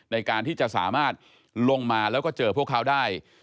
ในการที่จะสามารถลงมาแล้วก็เจอพวกเขาได้